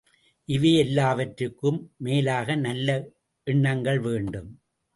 இவையெல்லாவற்றுக்கும் மேலாக நல்ல எண்ணங்கள் வேண்டும்.